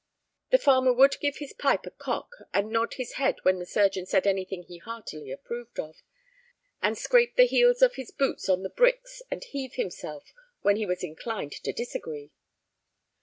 The farmer would give his pipe a cock and nod his head when the surgeon said anything he heartily approved of, and scrape the heels of his boots on the bricks and heave himself when he was inclined to disagree.